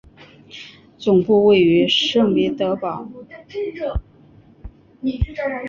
总部位于圣彼得堡。